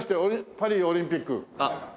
パリオリンピック？